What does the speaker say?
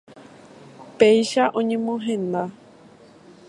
Péicha oñemohenda.